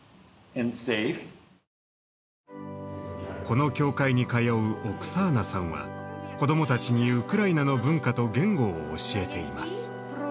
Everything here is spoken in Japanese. この教会に通うオクサーナさんは子供たちにウクライナの文化と言語を教えています。